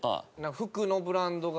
服のブランドがとか。